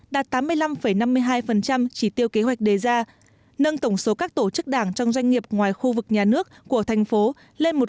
đạt tám mươi năm năm mươi hai chỉ tiêu kế hoạch đề ra nâng tổng số các tổ chức đảng trong doanh nghiệp ngoài khu vực nhà nước của thành phố lên một sáu trăm ba mươi bảy